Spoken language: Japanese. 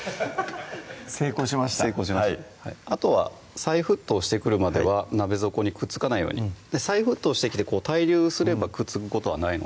成功しました成功しましたあとは再沸騰してくるまでは鍋底にくっつかないように再沸騰してきて対流すればくっつくことはないので